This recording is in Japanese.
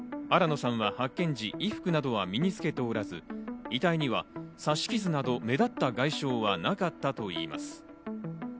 新野さんは発見時、衣服などは身につけておらず、遺体には刺し傷など目立った外傷はなかったといいます。